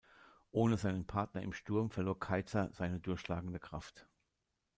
Ohne seinen Partner im Sturm verlor Keizer seine durchschlagende Kraft.